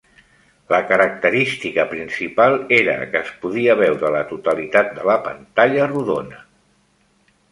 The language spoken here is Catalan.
La característica principal era que es podia veure la totalitat de la pantalla rodona.